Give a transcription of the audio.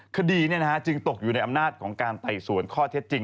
คดีจึงตกอยู่ในอำนาจของการไต่สวนข้อเท็จจริง